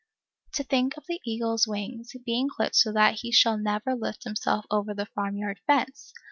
To think of the eagle's wings, being clipped so that he shall never lift himself over the farm yard fence!